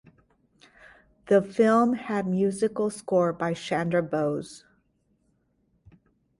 The film had musical score by Chandrabose.